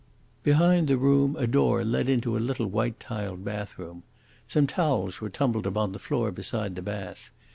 Behind the room a door led into a little white tiled bathroom. Some towels were tumbled upon the floor beside the bath.